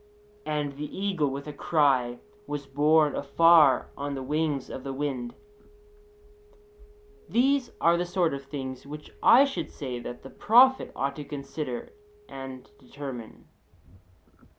And the eagle, with a cry, was borne afar on the wings of the wind (Il.).' These are the sort of things which I should say that the prophet ought to consider and determine.